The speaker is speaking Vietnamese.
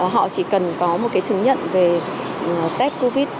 họ chỉ cần có một cái chứng nhận về test covid